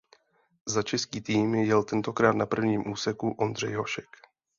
Za český tým jel tentokrát na prvním úseku Ondřej Hošek.